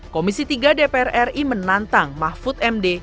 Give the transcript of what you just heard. komisi tiga dpr ri menantang mahfud md